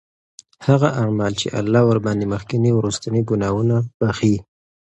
هغه أعمال چې الله ورباندي مخکيني او وروستنی ګناهونه بخښي